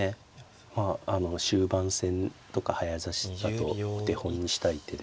まああの終盤戦とか早指しだとお手本にしたい手で。